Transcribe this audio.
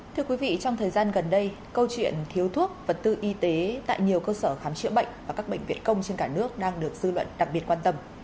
thưa quý vị trong thời gian gần đây câu chuyện thiếu thuốc vật tư y tế tại nhiều cơ sở khám chữa bệnh và các bệnh viện công trên cả nước đang được dư luận đặc biệt quan tâm